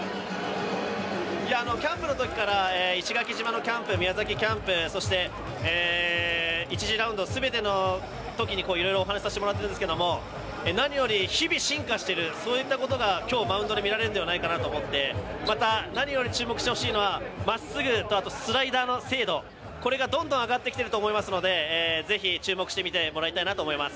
キャンプのときから石垣島キャンプ、宮崎キャンプ、そして１次ラウンド、全ての時にいろいろお話させてもらってますが何より日々進化していることが今日、マウンドで見られるのではないかと思ってましてまた、何より注目してほしいのは、まっすぐとスライダーの精度、これがどんどん上がってきていると思いますのでぜひ注目して見てもらいたいと思います。